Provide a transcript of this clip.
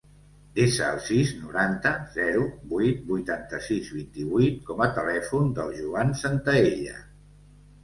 Desa el sis, noranta, zero, vuit, vuitanta-sis, vint-i-vuit com a telèfon del Joan Santaella.